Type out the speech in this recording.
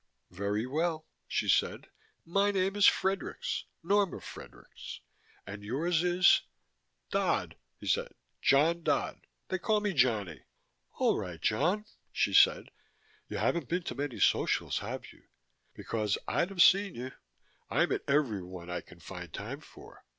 "Very well," she said. "My name is Fredericks. Norma Fredericks. And yours is " "Dodd," he said. "John Dodd. They call me Johnny." "All right, John," she said. "You haven't been to many Socials, have you? Because I'd have seen you I'm at every one I can find time for.